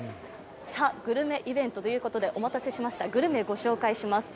グルメイベントということでお待たせしました、グルメご紹介します。